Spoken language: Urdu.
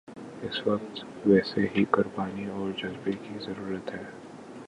اس وقت ویسی ہی قربانی اور جذبے کی ضرورت ہے